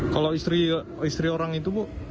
kalau istri orang itu bu